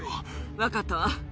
分かったわ。